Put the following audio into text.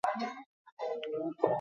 Gaur bertan jakingo dugu.